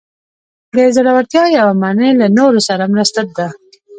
د زړورتیا یوه معنی له نورو سره مرسته ده.